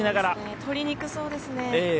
取りにくそうですね。